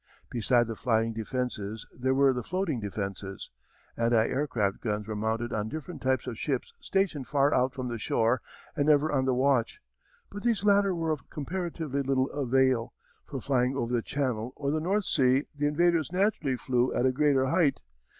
Beside the flying defences there were the floating defences. Anti aircraft guns were mounted on different types of ships stationed far out from the shore and ever on the watch. But these latter were of comparatively little avail, for flying over the Channel or the North Sea the invaders naturally flew at a great height.